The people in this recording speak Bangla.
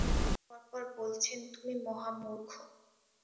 কিছুক্ষণ পর-পর বলছেন, তুমি মহা মুর্থ।